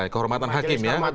kehormatan hakim ya